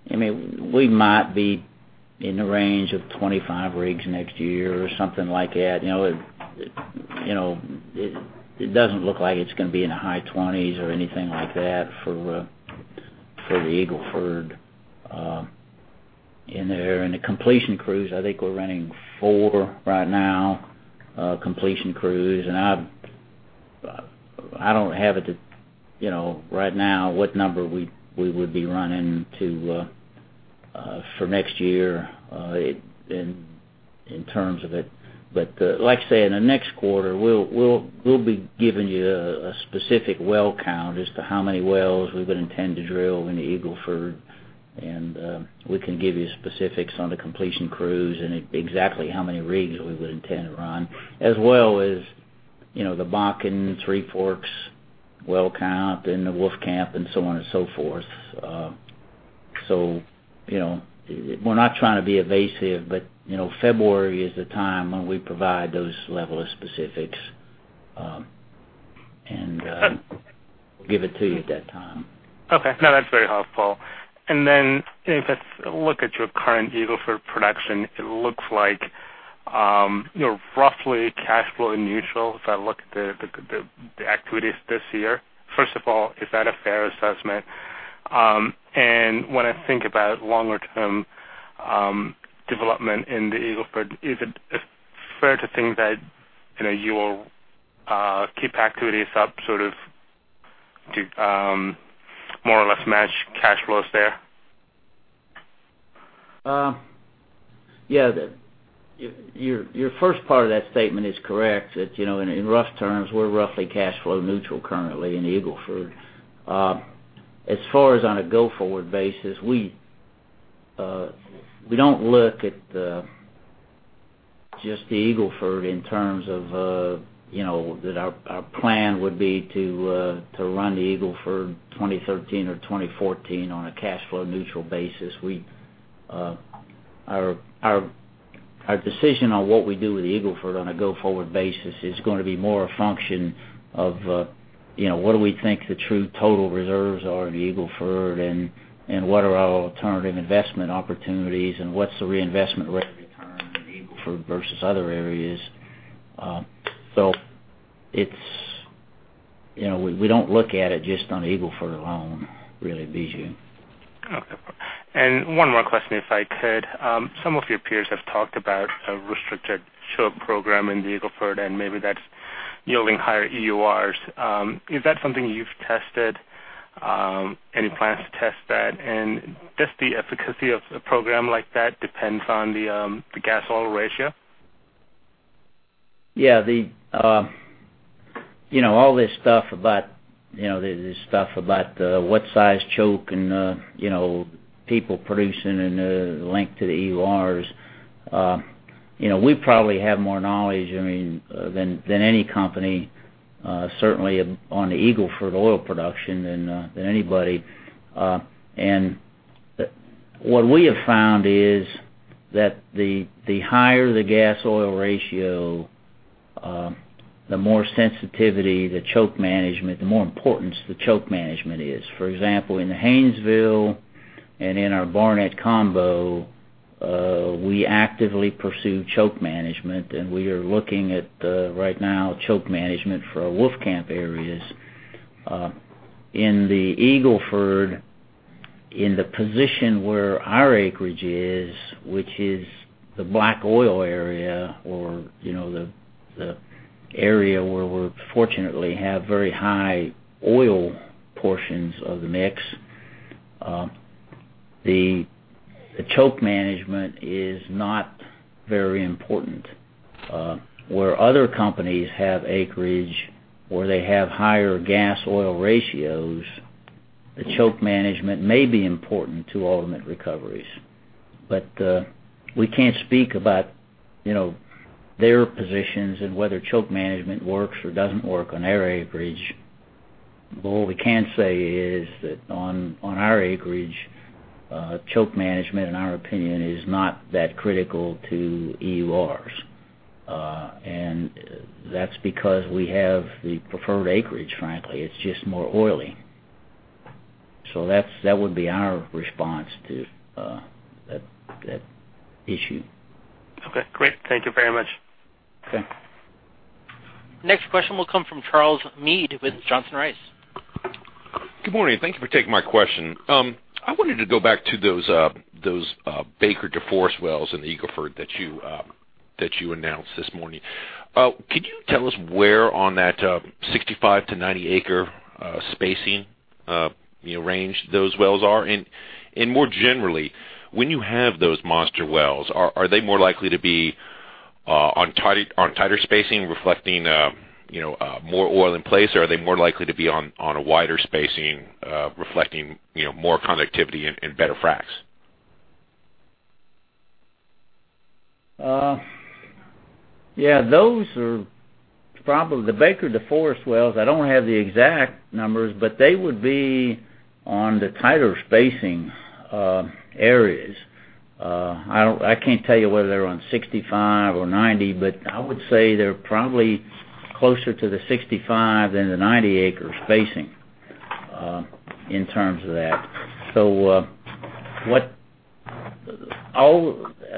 [SPEAKER 2] we might be in the range of 25 rigs next year or something like that. It doesn't look like it's going to be in the high 20s or anything like that for the Eagle Ford in there. The completion crews, I think we're running four right now, completion crews. I don't have it right now what number we would be running for next year in terms of it. Like I say, in the next quarter, we'll be giving you a specific well count as to how many wells we would intend to drill in the Eagle Ford. We can give you specifics on the completion crews and exactly how many rigs we would intend to run, as well as the Bakken, Three Forks well count, and the Wolfcamp, and so on and so forth. We're not trying to be evasive, February is the time when we provide those level of specifics, and give it to you at that time.
[SPEAKER 11] Okay. No, that's very helpful. If I look at your current Eagle Ford production, it looks like you're roughly cash flow neutral if I look at the activities this year. First of all, is that a fair assessment? When I think about longer-term development in the Eagle Ford, is it fair to think that you will keep activities up to more or less match cash flows there?
[SPEAKER 2] Yeah. Your first part of that statement is correct, that in rough terms, we're roughly cash flow neutral currently in Eagle Ford. As far as on a go-forward basis, we don't look at just the Eagle Ford in terms of that our plan would be to run the Eagle Ford 2013 or 2014 on a cash flow neutral basis. Our decision on what we do with the Eagle Ford on a go-forward basis is going to be more a function of what do we think the true total reserves are in the Eagle Ford, and what are our alternative investment opportunities, and what's the reinvestment rate of return in Eagle Ford versus other areas. We don't look at it just on Eagle Ford alone, really, Biju.
[SPEAKER 11] Okay. One more question, if I could. Some of your peers have talked about a restricted choke program in the Eagle Ford, maybe that's yielding higher EURs. Is that something you've tested? Any plans to test that? Does the efficacy of a program like that depends on the gas-oil ratio?
[SPEAKER 2] Yeah. All this stuff about what size choke and people producing and the link to the EURs, we probably have more knowledge than any company, certainly on the Eagle Ford oil production, than anybody. What we have found is that the higher the gas-oil ratio, the more sensitivity the choke management, the more importance the choke management is. For example, in the Haynesville and in our Barnett combo, we actively pursue choke management, and we are looking at, right now, choke management for our Wolfcamp areas. In the Eagle Ford, in the position where our acreage is, which is the black oil area, or the area where we fortunately have very high oil portions of the mix, the choke management is not very important. Where other companies have acreage, or they have higher gas-oil ratios, the choke management may be important to ultimate recoveries. We can't speak about their positions and whether choke management works or doesn't work on their acreage. What we can say is that on our acreage, choke management, in our opinion, is not that critical to EURs. That's because we have the preferred acreage, frankly. It's just more oily. That would be our response to that issue.
[SPEAKER 11] Okay, great. Thank you very much.
[SPEAKER 2] Okay.
[SPEAKER 1] Next question will come from Charles Meade with Johnson Rice.
[SPEAKER 12] Good morning. Thank you for taking my question. I wanted to go back to those Baker-DeForest wells in the Eagle Ford that you announced this morning. Could you tell us where on that 65-90 acre spacing range those wells are? More generally, when you have those monster wells, are they more likely to be on tighter spacing, reflecting more oil in place? Or are they more likely to be on a wider spacing, reflecting more connectivity and better fracs?
[SPEAKER 2] Yeah. The Baker-DeForest wells, I don't have the exact numbers, but they would be on the tighter spacing areas. I can't tell you whether they're on 65 or 90, but I would say they're probably closer to the 65 than the 90 acre spacing, in terms of that.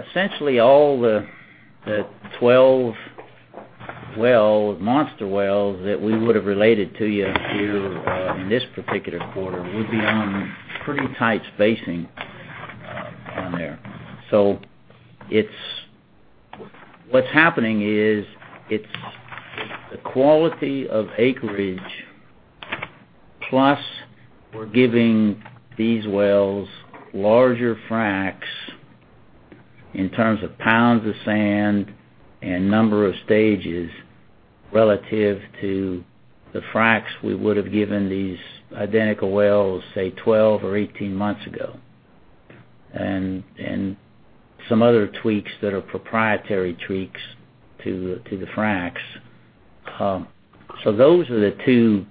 [SPEAKER 2] Essentially all the 12 monster wells that we would've related to you here in this particular quarter would be on pretty tight spacing on there. What's happening is it's the quality of acreage, plus we're giving these wells larger fracs in terms of pounds of sand and number of stages relative to the fracs we would've given these identical wells, say 12 or 18 months ago. Some other tweaks that are proprietary tweaks to the fracs. Those are the two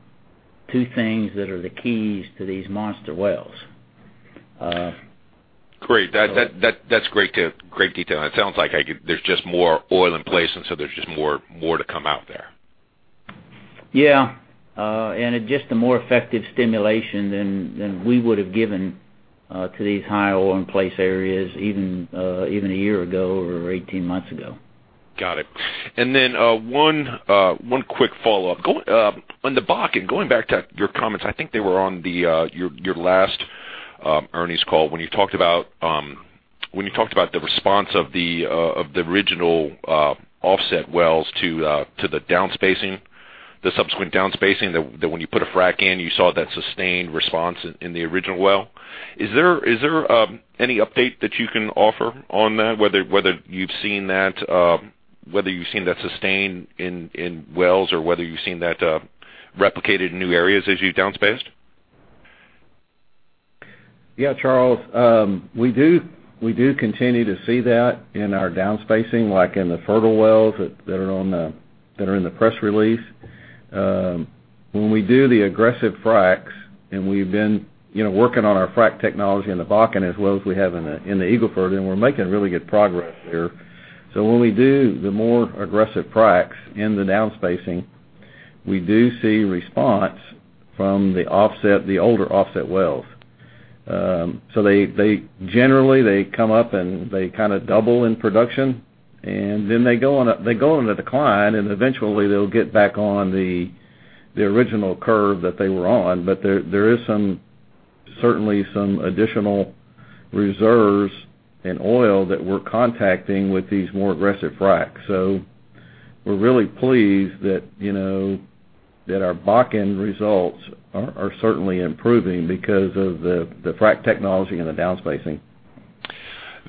[SPEAKER 2] things that are the keys to these monster wells.
[SPEAKER 12] Great. That's great detail. It sounds like there's just more oil in place, and there's just more to come out there.
[SPEAKER 2] It's just a more effective stimulation than we would've given to these high oil in place areas even a year ago or 18 months ago.
[SPEAKER 12] Got it. Then one quick follow-up. On the Bakken, going back to your comments, I think they were on your last earnings call, when you talked about the response of the original offset wells to the subsequent downspacing, that when you put a frac in, you saw that sustained response in the original well. Is there any update that you can offer on that? Whether you've seen that sustain in wells or whether you've seen that replicated in new areas as you've downspaced?
[SPEAKER 3] Yeah, Charles, we do continue to see that in our downspacing, like in the Fertile wells that are in the press release. When we do the aggressive fracs, we've been working on our frac technology in the Bakken as well as we have in the Eagle Ford, we're making really good progress there. When we do the more aggressive fracs in the downspacing, we do see response from the older offset wells. Generally, they come up, they double in production, then they go on the decline, eventually, they'll get back on the original curve that they were on. There is certainly some additional reserves and oil that we're contacting with these more aggressive fracs. We're really pleased that our Bakken results are certainly improving because of the frac technology and the downspacing.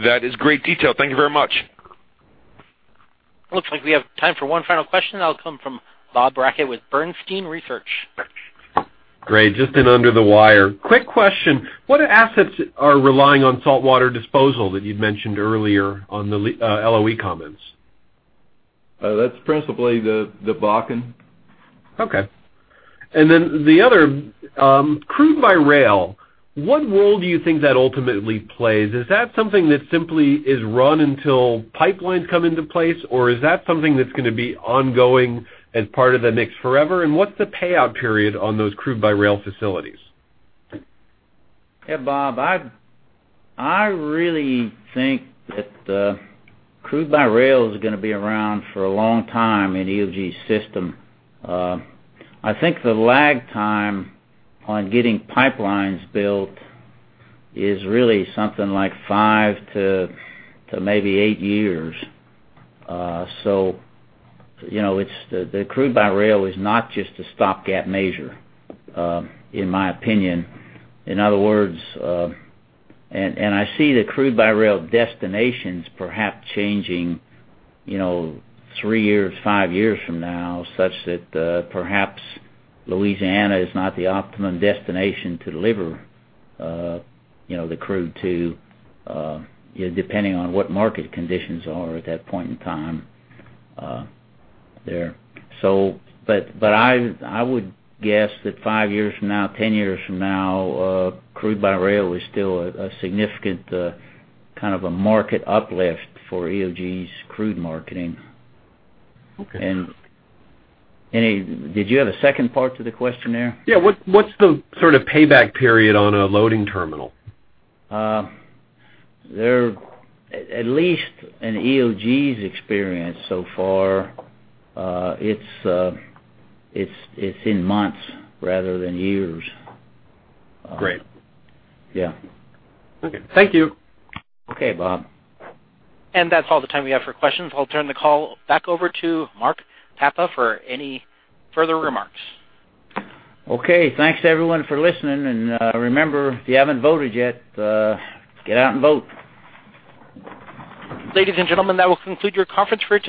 [SPEAKER 12] That is great detail. Thank you very much.
[SPEAKER 1] Looks like we have time for one final question. That'll come from Bob Brackett with Bernstein Research.
[SPEAKER 13] Great. Just in under the wire. Quick question. What assets are relying on Saltwater Disposal that you'd mentioned earlier on the LOE comments?
[SPEAKER 3] That's principally the Bakken.
[SPEAKER 13] Okay. Then the other, crude by rail, what role do you think that ultimately plays? Is that something that simply is run until pipelines come into place, or is that something that's going to be ongoing as part of the mix forever? What's the payout period on those crude by rail facilities?
[SPEAKER 2] Yeah, Bob, I really think that the crude by rail is going to be around for a long time in EOG's system. I think the lag time on getting pipelines built is really something like five to maybe eight years. The crude by rail is not just a stopgap measure, in my opinion. In other words, I see the crude by rail destinations perhaps changing three years, five years from now, such that perhaps Louisiana is not the optimum destination to deliver the crude to, depending on what market conditions are at that point in time there. I would guess that five years from now, 10 years from now, crude by rail is still a significant market uplift for EOG's crude marketing.
[SPEAKER 13] Okay.
[SPEAKER 2] Did you have a second part to the question there?
[SPEAKER 13] Yeah. What's the sort of payback period on a loading terminal?
[SPEAKER 2] At least in EOG's experience so far, it's in months rather than years.
[SPEAKER 13] Great.
[SPEAKER 2] Yeah.
[SPEAKER 13] Okay. Thank you.
[SPEAKER 2] Okay, Bob.
[SPEAKER 1] That's all the time we have for questions. I'll turn the call back over to Mark Papa for any further remarks.
[SPEAKER 2] Okay. Thanks everyone for listening, and remember, if you haven't voted yet, get out and vote.
[SPEAKER 1] Ladies and gentlemen, that will conclude your conference for today.